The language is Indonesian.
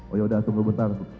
oh ya udah tunggu bentar